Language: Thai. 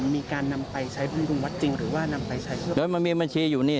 มีการนำไปใช้หน้าวัดจริงหรือว่ามีมัญชีอยู่นี้